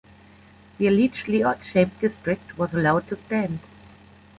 The allegedly odd-shaped district was allowed to stand.